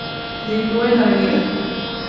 Se sitúa en Av.